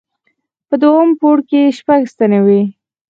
په دوهم پوړ کې شپږ ستنې وې.